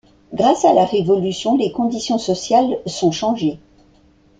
Grâce à la révolution, les conditions sociales sont changées.